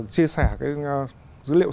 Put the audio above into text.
chia sẻ cái dữ liệu